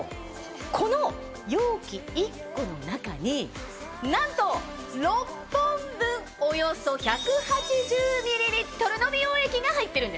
この容器１個の中になんと６本分およそ１８０ｍの美容液が入ってるんです。